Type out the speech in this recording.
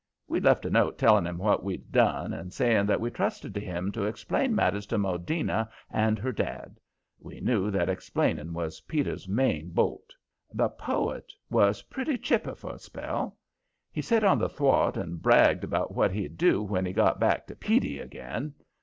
We'd left a note telling him what we'd done, and saying that we trusted to him to explain matters to Maudina and her dad. We knew that explaining was Peter's main holt. The poet was pretty chipper for a spell. He set on the thwart and bragged about what he'd do when he got back to "Petey" again.